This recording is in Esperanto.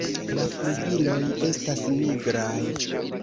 La flugiloj estas nigraj.